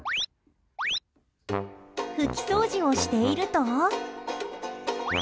拭き掃除をしていると。